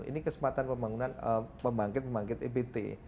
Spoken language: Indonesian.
ini kesempatan pembangunan pembangkit pembangkit ebt